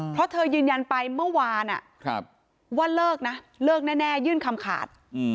เพราะเธอยืนยันไปเมื่อวานว่าเลิกนะเลิกแน่ยื่นคำขาด